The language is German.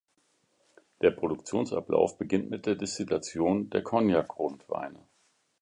Der Produktionsablauf beginnt mit der Destillation der Kognak-Grundweine.